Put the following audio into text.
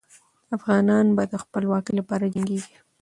افغانان به د خپلواکۍ لپاره جنګېږي.